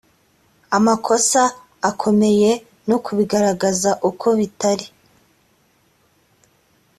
amakosa akomeye no kubigaragaza uko bitari